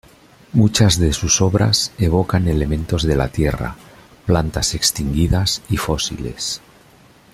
Muchas de sus obras evocan elementos de la tierra, plantas extinguidas y fósiles.